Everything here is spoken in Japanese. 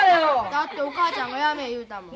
だってお母ちゃんがやめ言うたもん。